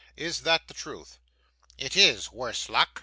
Is that the truth?' 'It is, worse luck!